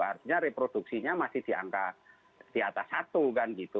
artinya reproduksinya masih di angka di atas satu kan gitu